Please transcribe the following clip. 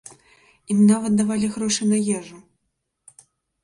Ім нават давалі грошы на ежу.